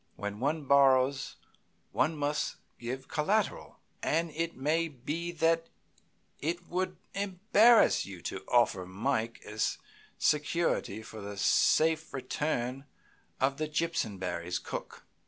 When one borrows one must give collateral, and it may be that it would embarrass you to offer Mike as security for the safe return of the Jimpsonberrys' cook.